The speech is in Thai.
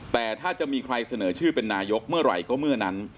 แต่ถ้าจะมีใครเสนอชื่อเป็นนายกเมื่อไหร่ก็เมื่อนั้น